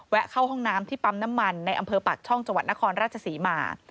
เข้าห้องน้ำที่ปั๊มน้ำมันในอำเภอปากช่องจังหวัดนครราชศรีมา